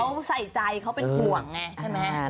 เขาใส่ใจเขาเป็นห่วงไงใช่ไหม